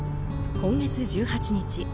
今月１８日。